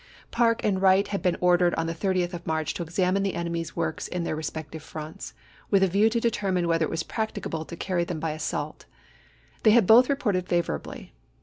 Parke and Wright had been ordered on the 30th of March to examine the enemy's works in their respective fronts with a view to determine whether it was practicable to carry them by assault ; they had both reported favorably.